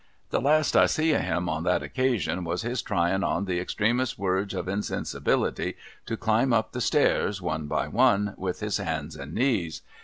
The last I see of him on that occasion was his tryin, on the extremest werge of insensibility, to climb up the stairs, one by one, with his hands and knees.